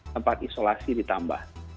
tempat isolasi ditambah